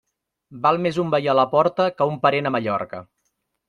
Val més un veí a la porta que un parent a Mallorca.